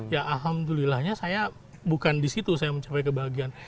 ya alhamdulillahnya saya bukan disitu saya mencapai kebahagiaan